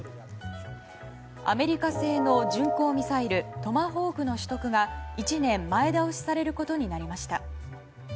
アメリカ製の巡航ミサイルトマホークの取得が１年前倒しされることになりました。